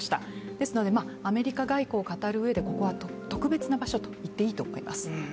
ですので、アメリカ外交を語るうえでここは特別な場所といっていいと思います。